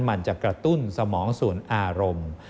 มันจะกระตุ้นสมองส่วนอารมณ์